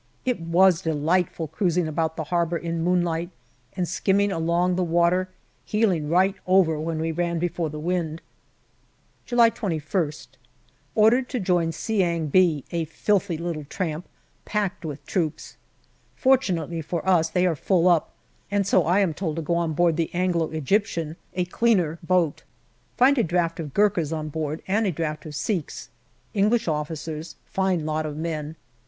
It was delightful cruising about the harbour in moon light and skimming along the water, heeling right over when we ran before the wind. July 2lsL Ordered to join Seeang Bee, a filthy little tramp, packed with troops. Fortunately for us, they are full up, and so I am told to go on board the Anglo Egyptian, a cleaner boat. Find a draft of Gurkhas on board and a draft of Sikhs. English officers ; fine lot of men.